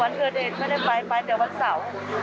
วันเกิดเหตุไม่ได้ไปไปแต่วันเสาร์